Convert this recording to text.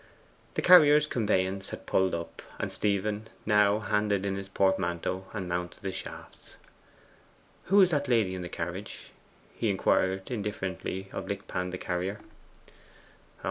The carrier's conveyance had pulled up, and Stephen now handed in his portmanteau and mounted the shafts. 'Who is that lady in the carriage?' he inquired indifferently of Lickpan the carrier.